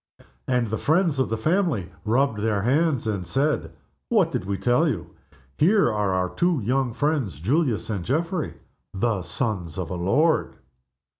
And the friends of the family rubbed their hands and said, "What did we tell you? Here are our two young friends, Julius and Geoffrey, the sons of a lord!"